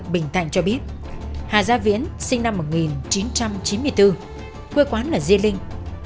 bình thạnh cho biết hà gia viễn sinh năm một nghìn chín trăm chín mươi bốn quê quán ở di linh